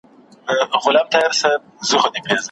د کره کتونکي لید له سطحي نظر دقیق وي.